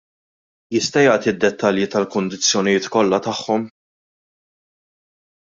Jista' jagħti d-dettalji tal-kundizzjonijiet kollha tagħhom?